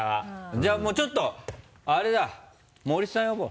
じゃあちょっとあれだ森さん呼ぼう。